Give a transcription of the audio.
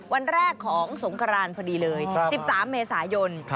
วันแรกของสงครานพอดีเลย๑๓เมษายน